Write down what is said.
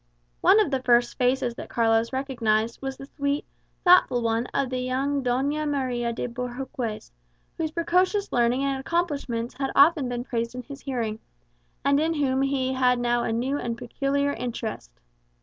One of the first faces that Carlos recognized was the sweet, thoughtful one of the young Doña Maria de Bohorques, whose precocious learning and accomplishments had often been praised in his hearing, and in whom he had now a new and peculiar interest.